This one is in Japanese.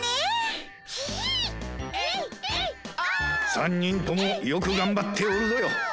３人ともよくがんばっておるぞよ。